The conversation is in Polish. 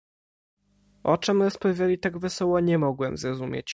"O czem rozprawiali tak wesoło, nie mogłem zrozumieć."